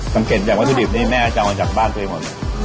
สังเกตแบบวิธีดิบนี้แม่จางออกจากบ้านกันแล้วหมด